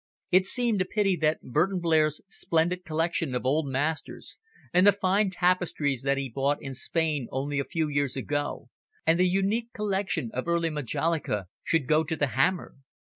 It seemed a pity that Burton Blair's splendid collection of old masters, and the fine tapestries that he had bought in Spain only a few years ago, and the unique collection of early Majolica, should go to the hammer.